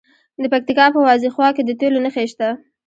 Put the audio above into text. د پکتیکا په وازیخوا کې د تیلو نښې شته.